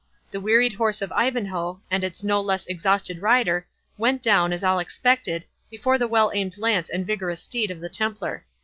The wearied horse of Ivanhoe, and its no less exhausted rider, went down, as all had expected, before the well aimed lance and vigorous steed of the Templar.